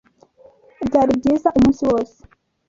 Byari byiza umunsi wose.